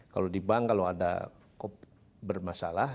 kalau di bank kalau ada kop bermasalah